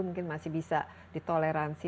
mungkin masih bisa ditoleransi